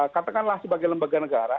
katakanlah sebagai lembaga negara